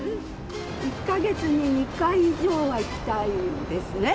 １か月に２回以上は行きたいんですね。